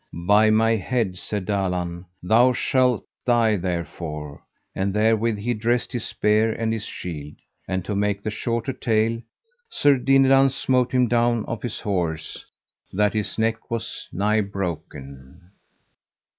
By my head, said Dalan, thou shalt die therefore, and therewith he dressed his spear and his shield. And to make the shorter tale, Sir Dinadan smote him down off his horse, that his neck was nigh broken.